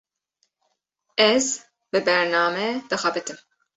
Ez, bi bername dixebitim